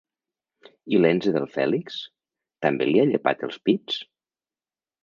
I l'enze del Fèlix, també li ha llepat els pits?